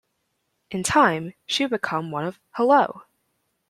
In time, she would become one of Hello!